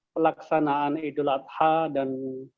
pelaksanaan idul adha dan